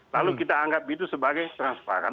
lalu kita anggap itu sebagai transparan